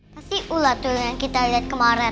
pasti ulat tuyul yang kita lihat kemarin